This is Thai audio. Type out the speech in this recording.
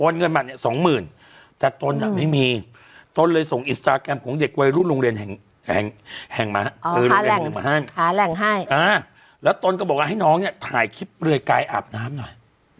แล้วตนก็บอกว่าให้น้องเนี่ยถ่ายคลิปเปลือยกายอาบน้ำหน่อย